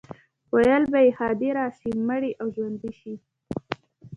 ویل به یې ښادي راشي، مړی او ژوندی شي.